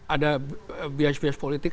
ada bias bias politik